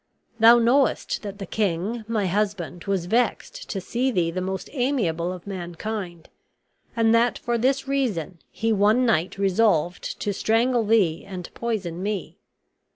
Thou knowest that the king, my husband, was vexed to see thee the most amiable of mankind; and that for this reason he one night resolved to strangle thee and poison me.